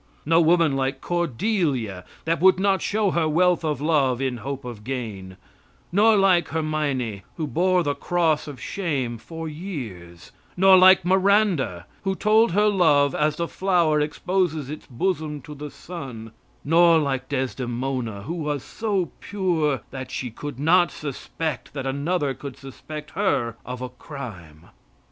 No woman like Cordelia, that would not show her wealth of love in hope of gain; nor like Hermione, who bore the cross of shame for years; nor like Miranda, who told her love as the flower exposes its bosom to the sun; nor like Desdemona, who was so pure that she could not suspect that another could suspect her of a crime.